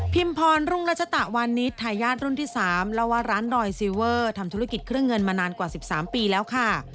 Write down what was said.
พรรุ่งรัชตะวันนิดทายาทรุ่นที่๓เล่าว่าร้านดอยซีเวอร์ทำธุรกิจเครื่องเงินมานานกว่า๑๓ปีแล้วค่ะ